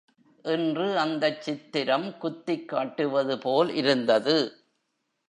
என்று அந்தச் சித்திரம் குத்திக் காட்டுவதுபோல் இருந்தது.